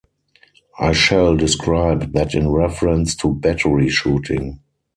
I shall describe that in reference to battery-shooting.